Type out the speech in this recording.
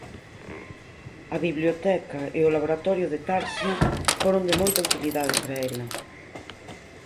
A biblioteca e o laboratorio de Tarsia foron de moita utilidade para ela.